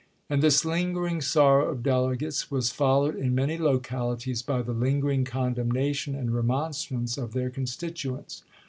And this lingering sorrow of delegates was followed in many localities by the lingering condemnation and remonstrance of their constituents.